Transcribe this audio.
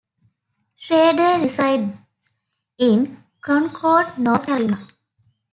Schrader resides in Concord, North Carolina.